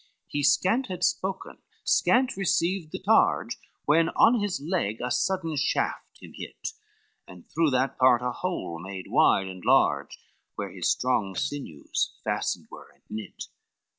LIV He scant had spoken, scant received the charge, When on his leg a sudden shaft him hit, And through that part a hole made wide and large, Where his strong sinews fastened were and knit.